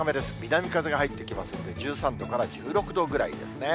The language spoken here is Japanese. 南風が入ってきますので、１３度から１６度ぐらいですね。